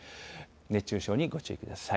熱中症にご注意ください。